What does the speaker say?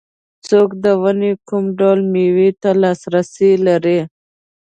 څوک د ونې کوم ډول مېوې ته لاسرسی لري.